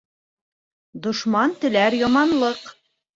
Дошман теләр яманлыҡ.